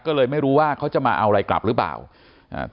ก็เลยไม่รู้ว่าเขาจะมาเอาอะไรกลับหรือเปล่าอ่า